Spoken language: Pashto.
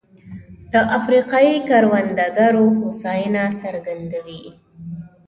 د افریقايي کروندګرو هوساینه څرګندوي.